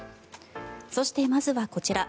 そして、まずはこちら。